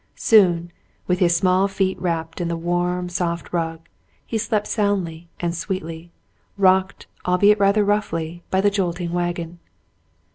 Soon, with his small feet wrapped in the w^arm, soft rug, he slept soundly and sweetly, rocked, albeit rather roughly, in the jolting wagon.